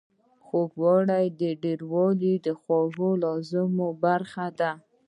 خوږوالی د ډیرو خوړو لازمي برخه ده.